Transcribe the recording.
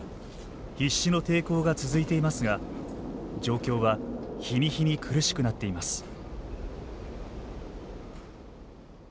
必死の抵抗が続いていますが状況は日に日に苦しくなっています。